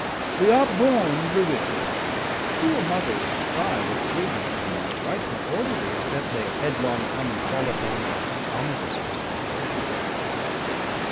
Wee are borne ruinous: poore mothers cry, 95 That children come not right, nor orderly; Except they headlong come and fall upon An ominous precipitation.